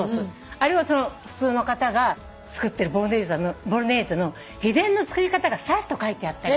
あれを普通の方が作ってるボロネーゼの秘伝の作り方がさらっと書いてあったり。